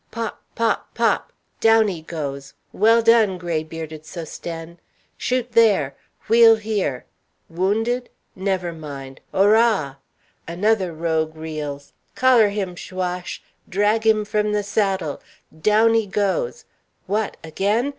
Pop! pop! pop! down he goes; well done, gray bearded Sosthène! Shoot there! Wheel here! Wounded? Never mind ora! Another rogue reels! Collar him, Chaouache! drag him from the saddle down he goes! What, again?